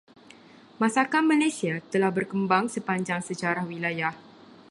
Masakan Malaysia telah berkembang sepanjang sejarah wilayah.